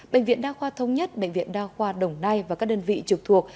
bệnh viện đa khoa thống nhất bệnh viện đa khoa đồng nai và các đơn vị trực thuộc